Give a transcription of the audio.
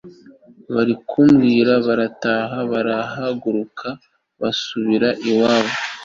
barikubura barataha barahaguruka, basubira iwabo